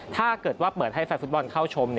ถ้าเกิดว่าเปิดให้แฟนฟุตบอลเข้าชม